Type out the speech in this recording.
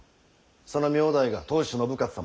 その名代が当主信雄様。